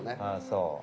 ああそう。